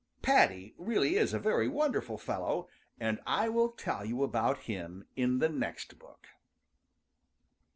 Paddy really is a very wonderful fellow and I will tell you about him in the next book.